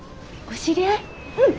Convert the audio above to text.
うん。